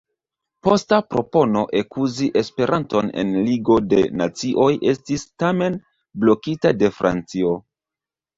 Posta propono ekuzi Esperanton en Ligo de Nacioj estis tamen blokita de Francio.